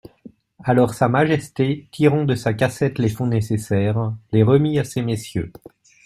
Alors Sa Majesté, tirant de sa cassette les fonds nécessaires, les remit à ces messieurs.